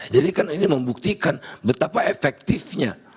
jadi kan ini membuktikan betapa efektifnya